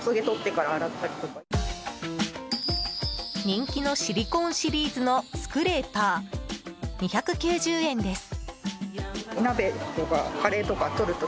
人気のシリコーンシリーズのスクレーパー、２９０円です。